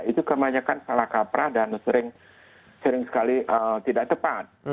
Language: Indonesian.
itu kebanyakan salah kaprah dan sering sekali tidak tepat